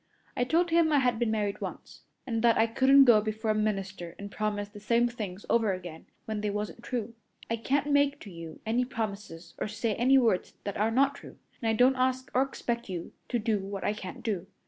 I told him I had been married once, and that I couldn't go before a minister and promise the same things over again when they wasn't true. I can't make to you any promises or say any words that are not true, and I don't ask or expect you to do what I can't do.